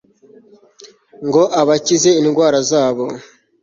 ngo abakize indwara zabo